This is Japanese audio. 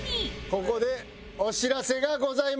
ここでお知らせがございます。